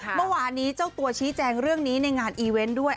เมื่อวานนี้เจ้าตัวชี้แจงเรื่องนี้ในงานอีเวนต์ด้วย